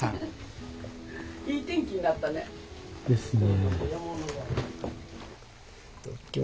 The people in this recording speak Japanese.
いい天気になったね。ですね。